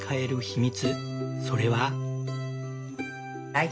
それは。